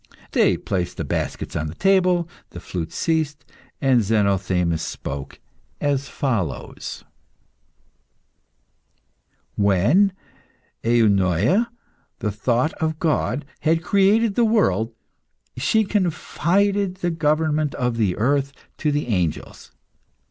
They placed the baskets on the table, the flute ceased, and Zenothemis spoke as follows "When Eunoia, 'the thought of God,' had created the world, she confided the government of the earth to the angels.